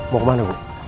mau kemana bu